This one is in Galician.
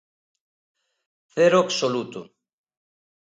Cero absoluto.